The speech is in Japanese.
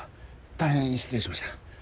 大変失礼しました。